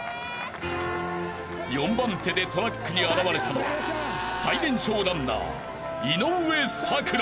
［４番手でトラックに現れたのは最年少ランナー井上咲楽］